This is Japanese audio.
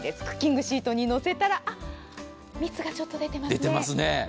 クッキングシートにのせたら、あっ、蜜がちょっと出てますね。